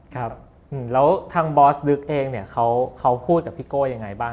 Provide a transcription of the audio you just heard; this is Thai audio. ครับหือแล้วทางบอสดึกเองเขาพูดกับพี่โก้อย่างไรบ้าง